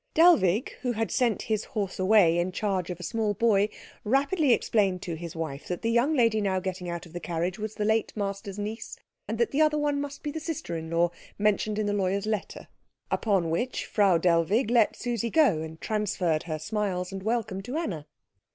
Dellwig, who had sent his horse away in charge of a small boy, rapidly explained to his wife that the young lady now getting out of the carriage was their late master's niece, and that the other one must be the sister in law mentioned in the lawyer's letter; upon which Frau Dellwig let Susie go, and transferred her smiles and welcome to Anna.